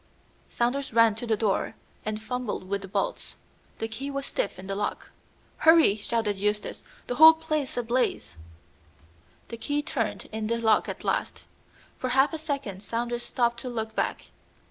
Saunders ran to the door and fumbled with the bolts. The key was stiff in the lock. "Hurry!" shouted Eustace; "the whole place is ablaze!" The key turned in the lock at last. For half a second Saunders stopped to look back.